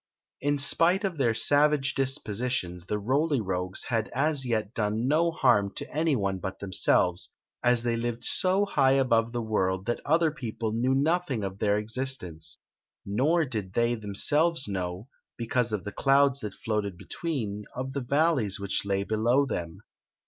In spite of their savage dispositions the Roly Rogues had as yet done no harm to any one but themselves, as they lived so high above the world that other people knew nothing of their existence. Nor did they themselves know, because of the clouds that floated between, of the valleys which lay below them.